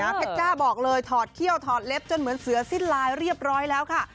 เพชรจ้าบอกเลยถอดเขี้ยวถอดเล็บจนเหมือนเสือสิ้นลายเรียบร้อยแล้วค่ะ